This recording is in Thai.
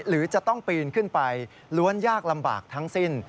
หรือจะต้องปีนขึ้นไปล้วนยากลำบากทั้งสิ้น